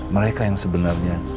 mereka yang sebenarnya